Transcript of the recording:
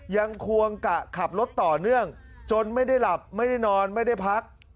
ควงกะขับรถต่อเนื่องจนไม่ได้หลับไม่ได้นอนไม่ได้พัก